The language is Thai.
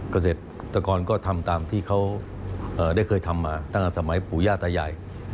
เกษตรกรก็ทำตามที่เขาได้เคยทำมาตั้งแต่สมัยปู่ย่าตายาย